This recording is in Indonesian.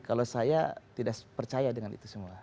kalau saya tidak percaya dengan itu semua